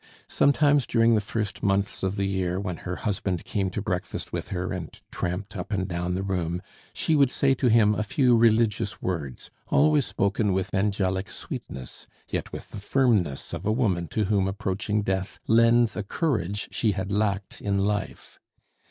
Sometimes, during the first months of the year, when her husband came to breakfast with her and tramped up and down the room, she would say to him a few religious words, always spoken with angelic sweetness, yet with the firmness of a woman to whom approaching death lends a courage she had lacked in life.